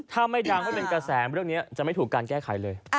ถ้าไม่ดังไม่เป็นกระแสเรื่องนี้จะไม่ถูกการแก้ไขเลย